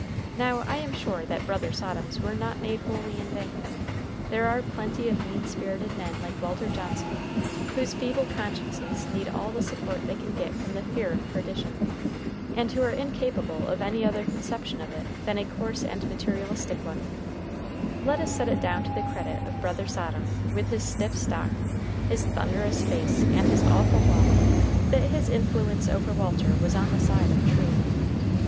Now I am sure that "Brother Sodoms" were not made wholly in vain. There are plenty of mean spirited men like Walter Johnson, whose feeble consciences need all the support they can get from the fear of perdition, and who are incapable of any other conception of it than a coarse and materialistic ones Let us set it down to the credit of Brother Sodom, with his stiff stock, his thunderous face, and his awful walk, that his influence over Walter was on the side of truth.